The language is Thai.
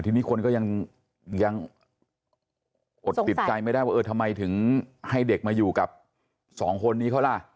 ทีนี้คนก็ยังอดติดใจไม่ได้ว่าเออทำไมถึงให้เด็กมาอยู่กับสองคนนี้เขาล่ะ